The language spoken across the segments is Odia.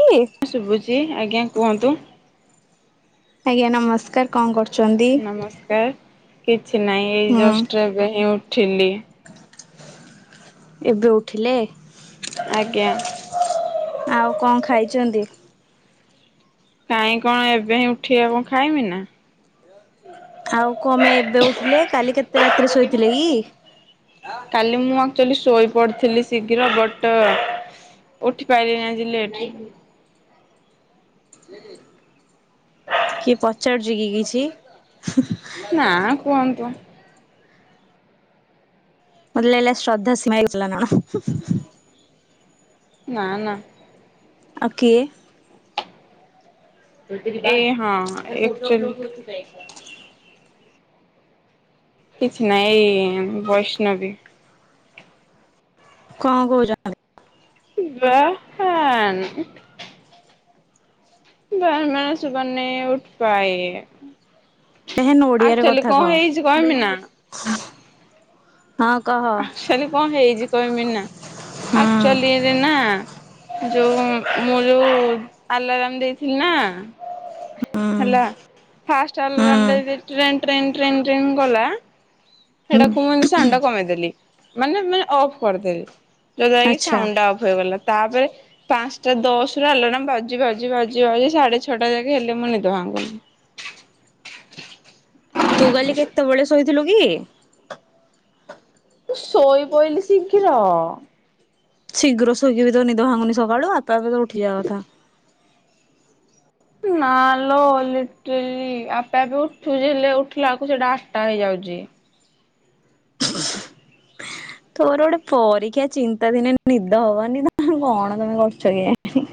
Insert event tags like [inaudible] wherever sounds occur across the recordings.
ଟି ଶୁଭୁଛିି ଆଜ୍ଞା କୁହନ୍ତୁ। ଆଜ୍ଞା ନମସ୍କାର, କଣ କରୁଛ? ନମସ୍କାର କିଛି ନାଇଁ ଏଇ ହୁଁ ଜଷ୍ଟରେ ଏବେ ହିଁ ଉଠିଲି। ଏବେ ଉଠିଲେ? ଆଜ୍ଞା। ଆଉ କଣ ଖାଇଛନ୍ତି? କାଇହିଁ କଣ ଏବେ ହିଁ ଉଠେଇଆ କଣ ଖାଇମି ନା। ଆଉ କଣ ପାଇଁ ଏବେ ଉଠିଲେ, କାଲି କେତେ ରାତିରେ ଶୋଇଥିଲେ କି? କାଲି ମୁଁ ଆକ୍ଚୁଆଲି ଶୋଇ ପଡ଼ିଥିଲି ଶୀଘ୍ର ବଟ୍ ଉଠି ପାଇିଲିନି ଆଜି ଲେଟ୍ ହେଇ କିଏ ପଚାରୁଛି କି କିଛି? ନାଁ କୁହନ୍ତୁ ମତେ ଲାଗିଲା ଶ୍ରଦ୍ଧା ସ୍ମାଇଲ କଲା ନା କଣ ନା ନା। ଆଉ କିଏ? ଏଇ ହଁ ଆକ୍ଚୁଆଲି କିଛି ନହିଁ ଏଇ ବୈଷ୍ଣବୀ କଣ କହୁଛନ୍ତି। ବା ହା ବାହାନା ଶୁଭା ନାହିଁ ଉଠ୍ ପାଏ। ଏହେନ ଓଡିଆରେ ଆକ୍ଚୁଆଲିରେ କଥା କହ। କଣ ହେଇଛି କହିମି ନା ହଁ କହ ଆକ୍ଚୁଆଲି କଣ ହେଇଛି କହିବି ନା ହୁଁ ଆକ୍ଚୁଆଲିରେ ନା ଯୋଉ ମୁଁ ଯୋଉ ଆଲାରମ ଦେଇଥିଲି ନା ହୁଁ ହେଲା ଫାଷ୍ଟ ହୁଁ ଆଲରମ୍ ଟା ଯେତେଲେ ଟ୍ରେନ୍ ଟ୍ରେନ୍ ଟ୍ରେନ୍ ଟ୍ରେନ କଲା। ହୁଁ ସେଟାକୁ ମୁଁ ଏମତି ସାଉଣ୍ଡ ଟା କମେଇଦେଲି ମାନେ ମାନେ ଅଫ୍ କରିଦେଲି। ଯୌଦ୍ୱାରା କି ଆଚ୍ଛା। ସାଉଣ୍ଡ୍ ଟା ଅଫ ହେଇଗଲା ତାପରେ ପାଞ୍ଚଟା ଦଶ ରୁ ଆଲାରମ ବାଜୁଛି ବାଜୁଛି ବାଜୁଛି ବାଜୁଛି ସାଢେ ଛଅଟା ଯାକ ହେଲେ ମୋ ନିଦ ଭାଙ୍ଗୁ ନିଜ। [inaudible] ତୁ କାଲି କେତେବେଳେ ଶୋଇଥିଲୁ କି? ସୋଇ ପଇଲି ଶୀଘ୍ର। ଶୀଘ୍ର ଶୋଇକି ବି ତ ନିଦ ଭାଙ୍ଗୁନି ସକାଳୁ, ଆପେ ଆପେ ତ ଉଠିଯିବା କଥା ନା ଲ ଲିଟଲି, ଆପେ ଆପେ ଉଠୁଛ ହେଲେ ଉଠିଲା ବେଳକୁ ସେଟା ଆଟା ହେଇଯାଉଛି। ଯି ତୋର ଗୋଟେ ପରୀକ୍ଷା ଚିନ୍ତା ବି ନାଇଁ ନିଦ ହବନି ତ କଣ ତମେ କରୁଛ କେଜାଣି?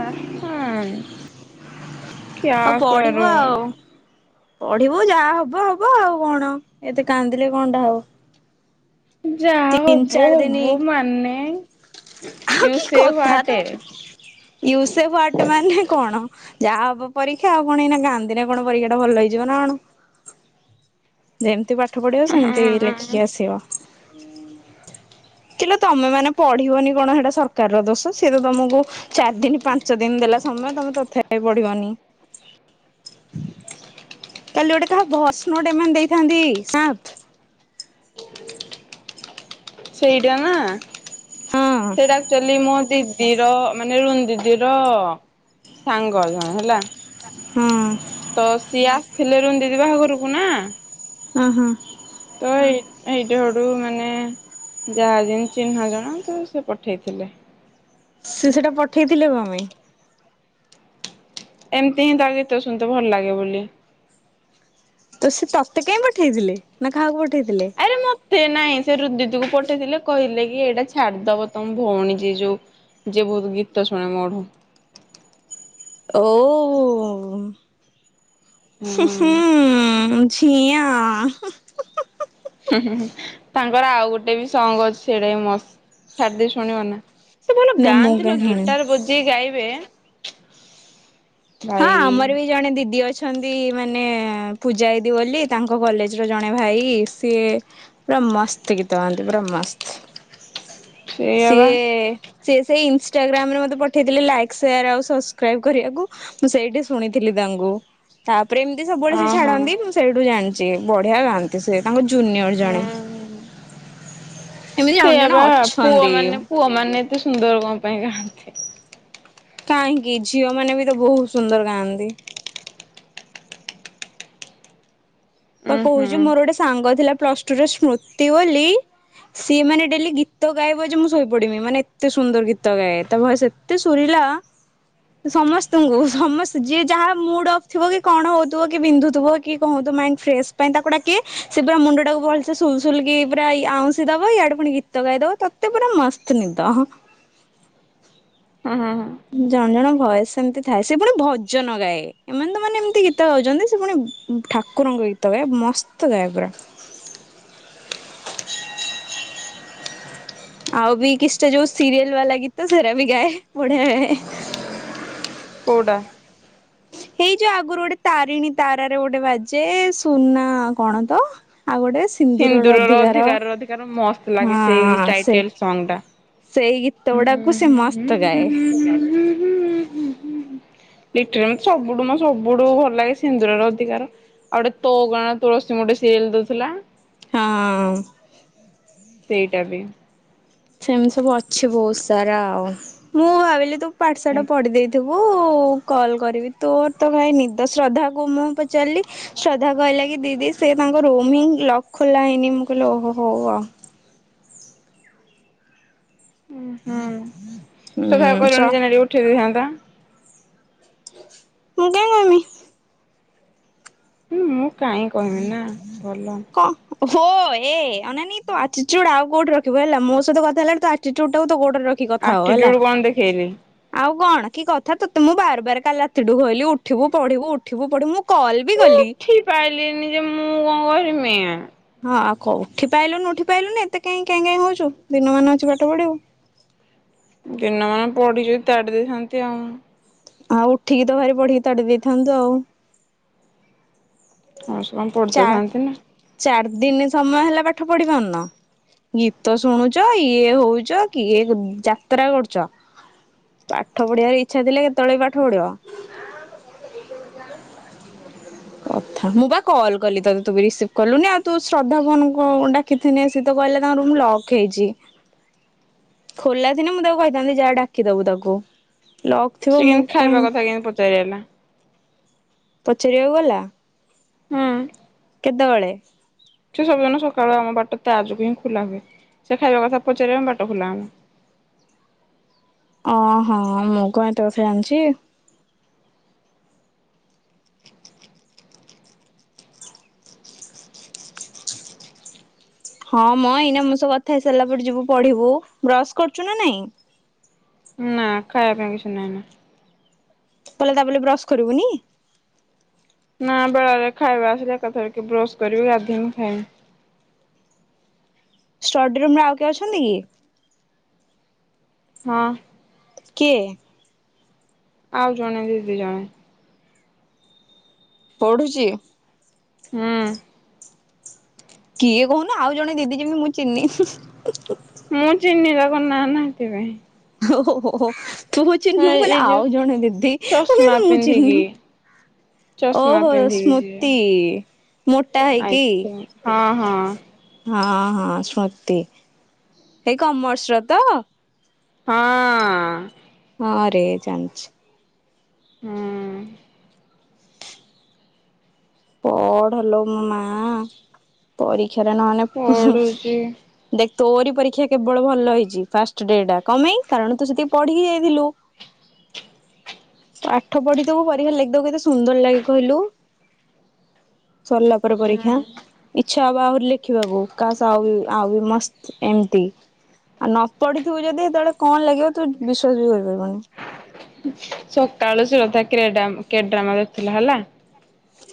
ଆ ଆ ଆ। ହଉ ପଢିବ ଆଉ। ପଢିବୁ ଯାହା ହବ ହବ ଆଉ, କଣ ଏତେ କାନ୍ଦିଲେ କଣ ଟା ହବ ଯାହା ତିନି ହବ ଚାରି ଦିନି ହବ ମାନେ ଆଉ ୟୁ ସେ ହ୍ଵାଟେ। ୟୁ ସେ ହ୍ୱାଟ୍ ମାନେ କଣ। ଯାହା ହବ ପରୀକ୍ଷା, ଆଉ କଣ ଏଇନା କାନ୍ଦିଲେ କଣ ପରୀକ୍ଷା ଟା ଭଲ ହେଇଯିବ ନା କଣ। ଯେମିତି ପାଠ ଠ ପଢ଼ିବ ସେମତି ଲେଖିକି ହୁଁ ଆସିବ କି ଲୋ ତମେ ମାନେ ପଢିବନି କଣ ହେଟା ସରକାର ର ଦୋଷ, ସିଏ ତ- ତମକୁ, ଚାରି ଦିନ ପାଞ୍ଚ ଦିନ ଦେଲା ସମୟ ତମେ ତଥା ପଢିବନି। [inaudible] କାଲି ଗୋଟେ କାହା ଭଏସ୍ ନୋଟ ଏମାନେ ଦେଇଥାନ୍ତି ସା [inaudible] ସେଇଟା ନା ହଁ ସେଇଟା ଆକ୍ଚୁଆଲି ମୋ ଦିଦି ର ମାନେ ରୁନ୍ ଦିଦି ର ସାଙ୍ଗ ଜଣେ ହେଲା। ହଁ ତ ସିଏ ଆସିଥିଲେ ରୁନି ଦିଦି ବାହାଘରକୁ ନା ହଁ ହଁ। ତ ଏଇ ଏଇଟ ହରୁ ମାନେ। ଯାହା ଜ ଚିହ୍ନା ଜଣା ତ ସେ ପଠେଇଥିଲେ। ସେ ସେଟା ପଠେଇଥିଲେ କଣ୍ ପାଇଁ? ଏମତି ହିଁ ତା ଗୀତ ଶୁଣି ତେ ଭଲ ଲାଗେ ବୋଲି। ତ ସେ ତତେ କାଇଁ ପଠେଇଥିଲେ ନା କାହାକୁ ପଠେଇ ଆରେ ମତେ ନାଇଁ ସେ ରୁନ୍ ଦିଦିକୁ ପଠେଇଥିଲେ କହିଲେ କି ଏଇଟା ଛାଡ଼ିଦବ ତମ ଭଉଣୀ ଯ ଯୋଉ ଯେ ବହୁତ ଗୀତ ଟ ଶୁଣେ ମଢ ଓ ହ ହୁଁ ହୁଁ ିଆ ତାଙ୍କର ଆଉ ଗୋଟେ ବି ସଙ୍ଗ ଅଛି ସେଇଟା ବି ମସ୍ତ। ଛାାରଦି ଶୁଣିବ ନା ସେ ଭଲ ନା ଗାଁ ମୁଁ ନ୍ତିଲୋ କାଇଁ ଶୁଣିନି। ଗିତାର ବଜେଇ ଗାଇବେ ହଁ ଭାଇ ଆମର ବି ଜଣେ ଦିଦି ଅଛ ଛନ୍ତି ମାନେ ପୂଜାଦି ବୋଲି ତାଙ୍କ କଲେଜ ର ଜଣେ ଭାଇ ସିଏ ମସ୍ତ ଗୀତ ହନ୍ତି ପା ମସ୍ତ ସେଇଆ ବା ସିଏ ସେ ସେଇ ଇନସଷ୍ଟାଗ୍ରାମ ରେ ମତେ ପଠେଇଥିଲେ ଲାଇକ୍ ସେୟାର ଆଉ ସବସ୍କ୍ରାଇବ କରିବାକୁ। ମୁଁ ସେଇଠି ଶୁଣିଥିଲି ତାଙ୍କୁ ତାପରେ ଏମିତି ସବୁବେଳେ ସେ ଅହ ହୁଁ। ଛାଡନ୍ତି ମୁଁ ସେଇଠୁ ଜାଣିଛିି। ବଢିଆ ଗାଁନ୍ତି ସେ ତାଙ୍କ ଜୁନିୟର ହୁଁ ଜଣେ। ଏମିତି ଜଣେ ସେଇଆ ଜଣେ ବା ପୁଅ ଅଛନ୍ତି ମାନେ ପୁଅ ମାନେ କେତେ ସୁନ୍ଦର କଣ ପାଇଁ ଗାଆନ୍ତି। କାହିଁକି ଝିଅ ମାନେ ବି ତ ବହୁତ ସୁନ୍ଦର ଗାଆନ୍ତି। ବା ଉୁଁ ହୁଁ କହୁଚୁ ମୋର ଗୋଟେ ସାଙ୍ଗ ଥିଲା ପ୍ଲସ ଟୁରେ ସ୍ମୃତି ବୋଲି ସିଏ ମାନେ ଡେଲି ଗୀତ ଗାବ ଯେ ମୁଁ ଶୋଇ ପଡିବମି ମାନେ ଏତେ ସୁନ୍ଦର ଗୀତ ଗାଏ ତା ଭୟସ ଏତେ ଶୁରିଲା [inaudible] ସମସ୍ତଙ୍କୁ ସମସ୍ତେ ଯିଏ ଯାହା ମୁଡ ଅଫ୍ ଥିବ କି କଣ ହଉଥିବ କି ବିନ୍ଧୁଥିବ କି କଣ ହଉଥିବ ମାଇ ଫ୍ରେଶସ ପାଇଁ ତାକୁ ଡାକେ ସେ ପୁରା ମୁଣ୍ଡ ଟାକୁ ଭଲସେ ସୁଲସୁଲ କିି ପୁରା ଆଉଶ ଦବ ଇଆଡେ ପୁଣି ଗୀତ ଗାଇ ତାକତେ ପୁରା ମସ୍ତ ନିଦ। ହଁ ହ ହ। ଭୟ ସେମତି ଥାଏ ସେ ପୁଣି ଭଜନ ଗାଏ ଏମାନେ ତ ମାନେ ଏମିତି ଗୀତ ଗାଉଛନ୍ତି ସେ ପୁଣି ଠାକୁରଙ୍କ ଶୋଇତ ମସ୍ତ ଗାଏ ପୁରା। [inaudible] [inaudible] ଆଉ ବି କିଛି ଟା ଯୋଉ ସିରିୟଲ ବାଲା ଗୀତ ସେରା ବି ଗାଏ। ପଡ଼େଆ କଉଟା। ଏଇ ଯୋଉ ଆଗରୁ ଗୋଟେ ତାରିଣୀ ତାରାରେ ଗୋଟେ ବାଜେ ସୁନା କଣ ତ ଆଉ ଗୋଟେ ସିନ୍ଦୁରର ଅଧିକାର ଅଧିକାର ମସ୍ତ ଲାଗେ ସେଇ ହଁ ସେ ଟାଇଟେଲ ସଙ୍ଗ ଟା। ସେଇ ଗୀତ ଗୁଡାକୁ ସେ ମସ୍ତ ଗାଏ। ଲିଟରେ ମତେ ସବୁଠୁ ମୋ ସବୁଠୁ ଭଲ ଲାଗେ ସିନ୍ଦୁରର ଅଧିକାର। ଆଉଟେ ତୋ କଣ ତୁଳସୀ ମୋଟେ ସିରିଏଲ ଦଉଥିଲା। ହଁ। ସେଇଟା ବି ସେମିତି ସବୁ ଅଛି ବହୁତ ସାରା ଆଉ ମୁଁ ଭାବିଲି ତୁ ପାଠଶାଠ ହଁ। ପଢି ଦେଇେଇଥିବୁ। ଗୁ କଲ କରିବି ତୋର ତ କାଇଁ ନିଦ ଶ୍ରଦ୍ଧା କ ମୁଁ ପଚାରିଲି ଶ୍ରଦ୍ଧା କହିଲ କି ଦିଦି ସେ ତାଙ୍କ ରୁମ୍ ହିଁ ଲକ୍ ଖୋଲା ହେଇନି ମୁଁ କହିଲି ଓହୋ ହୋଉ। ଉ ହୁଁ ସଖା ହୁଁ କରୁନି ଶ୍ର ଯେନ ଉଠେଇ ଦେଇଥାନ୍ତା। ମୁ କାଇଁ କହିବି। ହଁ ମୁଁ କାହିଁ କହିବି ନା ଭଲ। କଣ ହୋ ଏ ନ ତୁ ଆଚୁଡ ଆଉ କୋଉଠି ରଖିବ ହେଲା ମୋ ସହିତ କଥା ହେଲା ତୋ ଅଟିତୁଡ ଟାକୁ ଗୋଡରେ ରଖି କଥା ହବ ହେଲା ଆଟିଟ୍ୟୁଡ କଣ ଦେଖେଇଲି ଆଉ କଣ କି କଥା ତୋତେ ମୁଁ ବାର ବାର କାଲି ରାତିଠୁ କହିଲି ଉଠିବୁ ପଢିବୁ ଉଠିବୁ ପଢିବୁ ମୁଁ କଲ୍ ବି ମୁଁ କଲି। ଉଠିପାଇଲିିନି ଯେ ମୁଁ କଣ କରିମି। ହଁ ଆଉ କ ଉଠି ପାଇଲୁନି ଉଠି ପାଇଲୁନି ଏତେ କାଇଁ କେଁ କେଁ ହଉୁଛୁ। ଦିନ ମାନ ଅଛି ପାଠ ପଢିବୁ। ଦିନମାନ ପଢିଛି ତାଡ଼ି ଦେଇଥାନ୍ତି ଆଉ। ଆଉ ଉଠିକି ତ ଭାରି ପଢିକି ତାଡି ଦେଇଥାନ୍ତୁ ଆଉ। କମ ସେ କମ ପଢିତ ଥାନ୍ତି ନା। ଦିନେ ସମୟ ହେଲା ପାଠ ପଢି ପାରୁନ। ଗୀତ ଶୁଣୁଛ ଇଏ ହଉଛ କିଏ ଯାତ୍ରା କରୁଛ। ପାଠ ପଢିବାର ଇଛା ଥିଲେ କେତବଳେ ବି ପାଠ ପଢିବ। ହଁ ମୁଁ ବା କଲ୍ କଲି ତତେ ତୁ ବି ରିସିଭ୍ କଲୁନି ଆଉ ତୁ ଶ୍ରଦ୍ଧା ଫୋନ୍ କୁ ଡାକିଥିନେ ସେ ତ କହିଲା ତାଙ୍କ ରୁମ ଲକ୍ ହେଇଛି। ଖୋଲା ଥିନେ ମୁଁ ତାକୁ କହିଥାନ୍ତି ଯା ଡାକି ଦବୁ ତାକୁ। ଲକ୍ ଥିବ ସେ ମୁଁ କେମିତି ଖାଇବା କାଇଁ କଥା କେମିତି ପଚାରି ହେଲା ପଚାରିବାକୁ ଗଲା? ହୁଁ। କେତବଳେ? ସେ ସବୁ ଦିନ ସକାଳୁଆ ଆମ ବାଟ ତା ଯୋଗୁ ହିଁ ଖୋଲା ହୁଏ। ସେ ଖାଇବା କଥା ପଚାରିବ‌ ଆମ ବାଟ ଖୋଲା ହମ। ଓ ହୋ ମୁଁ କଁ ଏତେ କଥା ଜାଣିଛି। ହଁ ମ ଏଇନା ମୋ ସହ କଥା ହେଇ ସାରିଲା ପରେ ଯିବୁ ପଢିବୁ ବ୍ରସ୍ କରୁଛୁ ନା ନାଇଁ? ନାଁ ଖାଇବା ପାଇଁ କିଛି ନେଇନି। ତାହେଲେ ତା ବୋଲି ବ୍ରସ୍ କରିବୁନି? ନାଁ ବେଳାବେଳି ଖାଇବା ଆସିଲେ ଏକା ଥରକେ ବ୍ରସ୍ କରିବି ଗାଧେଇମି ଖାଇମି। ଷ୍ଟଡି ରୁମ୍ ରେ ଆଉ କିଏ ଅଛନ୍ତି କି? ହଁ। କିଏ? ଆଉ ଜଣେ ଦିଦି ଜଣେ। ପଢୁଛି? ହୁଁ। କିଏ କହୁନୁ ଆଉ ଜଣେ ଦିଦି ଯେମିତି ମୁଁ ଚିହ୍ନିଚି ଉ ଉ। ମୁଁ ଚିହ୍ନିିବା କଣ ନାଁ ନାହିଁ ସେଥିପାଇଁ। ହୋ ହୋ ହୋ ହୋ ତୁ ଚିହ୍ନିନୁ ହଁ ମୁଁ ଭାବିଲି ଏଇ ଯୋଉ ଆଉ ଜଣେ ଦିଦି ମୁଁ ସେଇଆ ଚଷମା କହିଲି ମୁଁ ଚିହ୍ନିନି। ପିନ୍ଧିକି ଓ ଚଷମା ହୋ ପିନ୍ଧିକି ଯିଏ। ସ୍ମୁତି ମୋଟା ହେଇ ଆଇ କି? ଥିଙ୍କ୍ ହଁ ହଁ। ହଁ ହଁ ସ୍ମୃତି ଏଇ କମର୍ସର ତ? ହଁ। ହଁ ରେ ଜାଣିଛି। ହୁଁ। ପଢ ଲୋ ମୋ ମା ପରି କ୍ଷା ରେ ନ ହେଲେ ଉ ପଢୁଛି ହୁଁ ଦେ ତୋରି ପରୀକ୍ଷା କେବଳ ଭଲ ହେଇଛି ଫାଷ୍ଟ୍ ଡେ ଟା କଁ ପାଇଁ କାରଣ ତୁ ସେତିକି ପଢିକି ଯାଇଥିଲୁ। ପାଠ ପଢିଥିବୁ ପରୀକ୍ଷାରେ ଲେଖି ଦବୁ କେତେ ସୁନ୍ଦର ଲାଗେ କହିଲୁ। ସରିଲା ପରେ ପରୀକ୍ଷା ହୁଁ। ଇଚ୍ଛା ହବ ଆହୁରି ଲେଖିବାକୁ କାସ୍ ଆଉ ଆଉ ମସ୍ତ ଏମତି। ଆଉ ନ ପଢିଥିବୁ ଯଦି ସେତେବଳେ କଣ ଲେଖିବ ତୁ ବିଶ୍ଵାସ ବି କରିପାରିବୁନି। ସକାଳୁ ଶ୍ରଦ୍ଧା କ୍ରେଡାମ୍ କେଡ୍ରାମ୍ ମାରୁଥିଲା ହେଲା।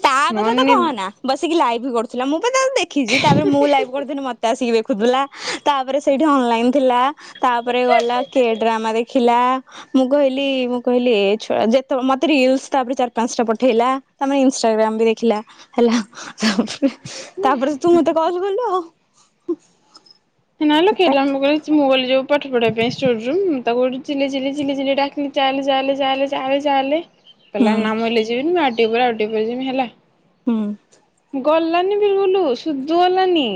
ତା ମୋ କଥା ତ ନି କହନା ବସିକି ଲାଇଭ୍ କରୁଥିଲା ମୁଁ ମୁଁ ତାକୁ ଦେଖିଛି ତାପରେ ମୁଁ ଲାଇଭ୍ କରୁଥିଲି ମତେ ଆସିକି ଦେଖୁଥିଲା ତାପରେ ସେଇଠି ହଁ ଅନଲାଇନ୍ ଥିଲା ତା ପରେ ଗଲା କେ ଡ୍ରାମା ଦେଖିଲା ମୁଁ କହିଲି ମୁଁ କହିଲି ଏ ଛୁଆ ଯେତବ ମତେ ରିଲସ୍ ତାପରେ ଚାରି ପାଞ୍ଚ ଟା ପଠେଇଲା ତାପରେ ଇନ୍ ଇନଷ୍ଟା ଗ୍ରାମ୍ ବି ଦେଖିଲା ହେଲା ତାପରେ ତୁ ମତେ କଲ୍ କଲୁ ଆଉ। ହୁଁ। ସେ ନହେଲେ କିଏ ଡ୍ରାମା କରୁଛି ମୁଁ କହିଲି ଯୋଉ ପାଠ ପଢେଇିବା ପାଇଁ ରୁମ୍ ତାକୁଠିଲ ଚିିଲିଲ ଡା ଚା ଚା ଚାଲେ ହୁଁ କହିଲା ନାମ ହେଲେ ଯିବିନି, ମୁ ଆ ଆ ଯିବମି ହେଲା। ହୁଁ! ଗଲାନି ବିଲଖୁଲ ସୁଧୁ ଗଲାନି।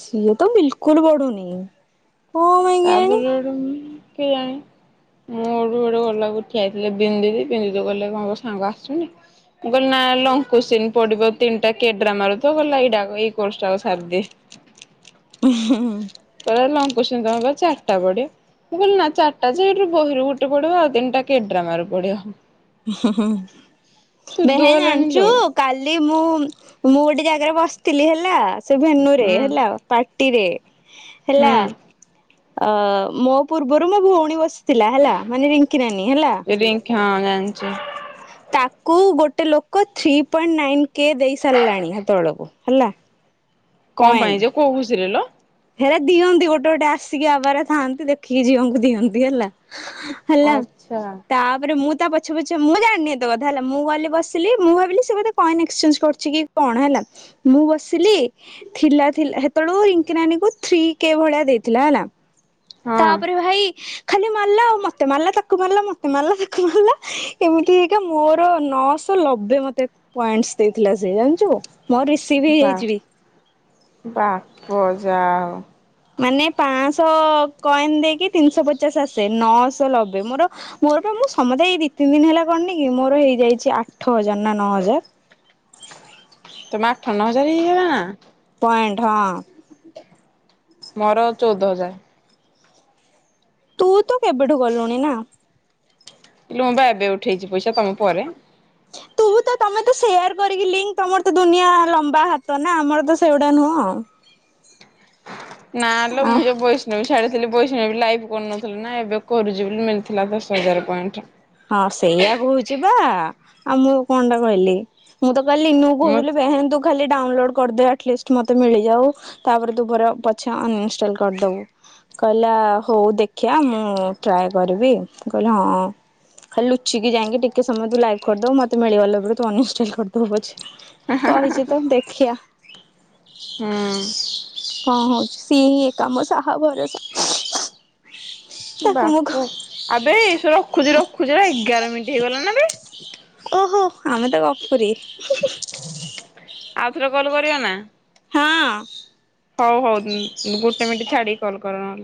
ସିଏ ତ ବିଲକୁଲ ବଢୁନି। କଣ ପାଇଁ କେଜାଣି? ତାପଲଡ କେଜାଣି? ମୁଁ ଆଡୁ ବଡେ ଗଲାକୁ ଉଠିଆଇଥିଲେ ବିନ୍ଦୁି, ବିନ୍ଦୁ ଗଲେ କଣ ସାଙ୍ଗ ଆସୁନି, ମୁଁ କହିଲି, ନା ଲଙ୍କୁସିନ ପଡିବ ତିନିଟା କେଡ୍ରାମାରା ରୁ, ତ ଗଲା ଏଇଟା ଏଇ କଟାକୁ ସାରଦି [inaudible] [unintelligible] [unintelligible] ଚାରିଟା ପଡିବ କହିଲ ନା ଚାରିଟା ଯେଠୁ ବହିରୁ ଗୋଟେ ପଡିବ, ଆଉ ତିନିଟା କେଡ୍ରାମାର ପଡିବ। ହଁ ହୁଁ ଶୁଦ୍ଧୁ ବେହେ ଗଲାନି ଜାଣିଛୁ! ଲୋ କାଲି ମୁଁ ମୁଁ ଗୋଟେ ଜାଗାରେ ବସିଥିଲି ହେଲା, ସେ ଭେନୁ ରେ ହୁଁ ହେଲା ପାର୍ଟିରେ ହେଲା, ହୁଁ ଅ-ମୋ ପୂର୍ବରୁ ମୋ ଭଉଣୀ ବସି ଥିଲା ହେଲା, ମାନେ ରିଙ୍କି ନାନୀ ହେଲା ରିଙ୍କି ହଁ ଜାଣିଛି। ତାକୁ ଗୋଟେ ଲୋକ ଥ୍ରୀ ପଏଣ୍ଟ ନାଇନ କେ ଦେଇ ସାରିଲାଣି ସେତବେଳକୁ ହେଲା। କଣ ପାଇଁ ଯେ, କୋଉ ଖୁସିରେ ଲୋ। ହେଲେ ଦିଅନ୍ତି ଗୋଟେ ଗୋଟେ ଆସିକି ଆବରେ ଥାଆନ୍ତି, ଦେଖିକି ଝିଅଙ୍କୁ ଦିଅନ୍ତି, ହେଲା। ହେଲା, ଆଚ୍ଛା ତାପରେ ମୁଁ ତା ଓଛେ ପଛେ ମୁଁ ଜାଣିନି ଏତେ କଥା ମୁଁ କହିଲି ବସିଲି ମୁଁ ଭାବିଲି ସେ ବୋଧେ କଏନ୍ ଏକ୍ସଚେଞ୍ଜ କରୁଛି, କି କଣ ହେଲା? ମୁଁ ବସିଲି ଥିଲା ଥିଲା ହେତେବେଳୁ ନାନୀ କୁଥ୍ରୀ କେ ଭଳିଆ ଦେଇଥିଲା, ହେଲା ହଁ ତାପରେ ଭାଇ ଖାଲି ମାରିଲା ଆଉ, ମତେ ମାରିଲା, ତାକୁ ମାରିଲା, ମତେ ମାରିଲା, ତାକୁ ମାରିଲା, ଏମିତି ହେଇ ମୋର ନ ଲବେ ମତେ ପଏଣ୍ଟସ୍ ଦେଇଥିଲା ସେ, ଜାଣିଛୁ ରିସିଭ ବା ହେଇଯାଇଛି, ବି। ବାପ ଯା ହଉ। ମାନେ ପାଞ୍ଚଶହ କଏନ ଦେଇକି ତିନିଶହ ପଚାଶ ଆସେ, ନଅଶହ ଲବେ ମୋର, ମୋର ମୁଁ ସମସ୍ତେ ଏଇ ଦି ତିନି ଦିନ ହେଲା କରିନିକି ମୋର ହେଇଯାଇଛି, ଆଠ ହଜାର ନା ନଅ ହଜାର। ତମେ ଆଠ, ନଅ ହଜାର ହେଇ ଇଆ ନା ପଏଁଟ ହଁ। ମୋର ଚଉଦ ହଜାର। ତୁ ତ କେବେଠୁ କଲୁଣି ନା? ଲୁ ମୁଁ ବା ଏବେ ଉଠେଇଛି ପଇସା ତମ ପରେ। ତୁ ତ ତମେ ତ ସେୟାର କରିକି ଲିଙ୍କ, ତମର ତ ଦୁନିଆ ଲମ୍ବା ହାତ ନା, ଆମର ତ ସେଗୁଡା ନୁହଁ। ନା ଲୋ ମୁଁ ଏ ପଇସା ବୈଷ୍ଣବି। ଛାଡିଥିଲି ପଇସା ଲାଇକ୍ କରୁନଥିଲେ ନା, ଏବେ କରୁଛି ବୋଲି, ମିଳିଥିଲା ଦଶ ହଜାର ପଏଣ୍ଟ। ହଁ ସେଇଆ କହୁଛି, ବା ଆଉ ମୁଁ କଣ ଟା କହିଲି, ମୁଁ ତ କାଲି ଲିନୁ କୁ ମୁଁ କହୁଥିଲି ବାହା ହୁଅନ୍ତୁ ଖାଲି ଡାଉନଲୋଡ କରିଦେ ଆଟଲିଷ୍ଟ ମତେ ମିଳିଯାଉ, ତାପରେ ଦୁପରେ ପଛେ ଅନଇନଷ୍ଟଲ କରିଦବୁ। କହିଲା ହଉ ଦେଖିବା, ମୁଁ ଟ୍ରାଏ କରିବି କହିଲି ହଁ। ଖାଲି ଲୁଚିକି ଯାଇକି ଟିକେ, ସମୟ ତୁ ଲାଇଭ କରିଦବ ମତେ ମିଳିଗଗଲା ପରେ ତୁ ଅନଇଷ୍ଟଲ କରିଦବୁ ପଛେ। କହିଛି ତ ଦେଖିଆ। ହୁଁ! ହଁ ହଉଛି ସିଏ ହିଁ ଏକା ଆମ ସାହା ଭରସା। ତାକୁ ମୁଁ କଣ ବାପୁ ଆବେ ଏୁ ରଖୁଛି ରଖୁଛି ନା ଏଗାର ମିନିଟ ହେଇଗଲା ନା ଏବେ। ଓହୋ ଆମେ ତ ଗପୁରୀ। ଆଉଥରେ କଲ କରିବୁ ନା। ହଁ। ହଉ ହଉ ଗୋଟେ ମିନିଟ୍ ଛାଡିକି କଲ୍ କର ନହଲେ।